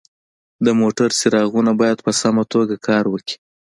د موټر څراغونه باید په سمه توګه کار وکړي.